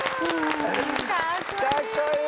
かっこいい！